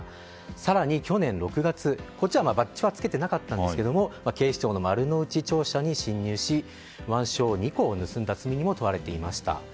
更に、去年６月こっちはバッジはつけていなかったんですが警視庁の丸の内庁舎に侵入し腕章２個を盗んだ罪にも問われていました。